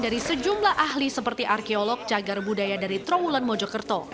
dari sejumlah ahli seperti arkeolog cagar budaya dari trawulan mojokerto